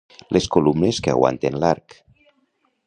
Les columnes que aguanten l'arc.